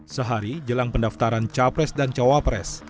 sehari jelang pendaftaran capres dan cawapres